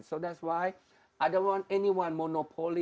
saya tidak ingin memiliki monopoli